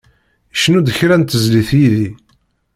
Cnu-d kra n tezlit yid-i.